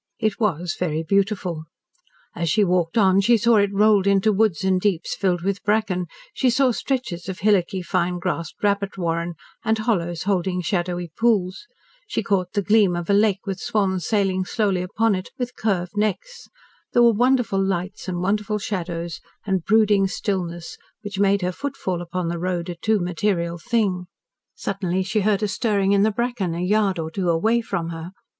It was very beautiful. As she walked on she saw it rolled into woods and deeps filled with bracken; she saw stretches of hillocky, fine grassed rabbit warren, and hollows holding shadowy pools; she caught the gleam of a lake with swans sailing slowly upon it with curved necks; there were wonderful lights and wonderful shadows, and brooding stillness, which made her footfall upon the road a too material thing. Suddenly she heard a stirring in the bracken a yard or two away from her.